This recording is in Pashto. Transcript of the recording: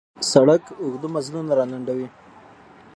سړک اوږده مزلونه را لنډوي.